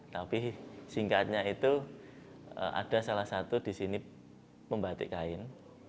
tapi singkatnya itu ada salah satu disini membatik kain